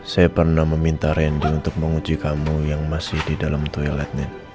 saya pernah meminta randy untuk menguji kamu yang masih di dalam toiletnya